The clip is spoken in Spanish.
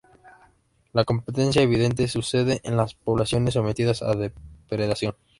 La competencia evidente sucede en las poblaciones sometidas a depredación.